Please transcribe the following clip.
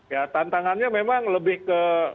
ya tantangannya memang lebih ke